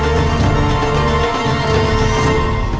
rumah tabib ini